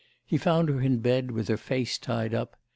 He found her in bed with her face tied up.